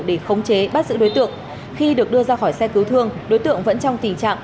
để khống chế bắt giữ đối tượng khi được đưa ra khỏi xe cứu thương đối tượng vẫn trong tình trạng